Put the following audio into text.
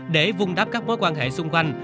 để vung đáp các mối quan hệ xung quanh